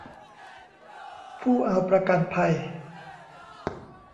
ผู้เอาประกันภัย